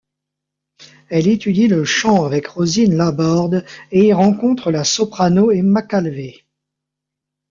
Elle étudie le chant avec Rosine Laborde et y rencontre la soprano Emma Calvé.